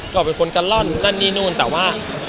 ก็เป็นคนกะล่อนนั่นนี่นู่นแต่ว่า